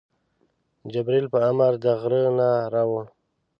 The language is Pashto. جبریل په امر د غره نه راوړ.